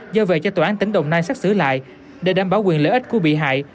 do về cho tòa án tỉnh đồng nai xác xử lại để đảm bảo quyền lợi ích của bị hại